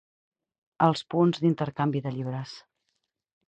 Els punts d'intercanvi de llibres.